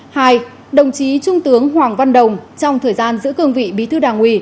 hai đồng chí trung tướng hoàng văn đồng trong thời gian giữ cương vị bí thư đảng ủy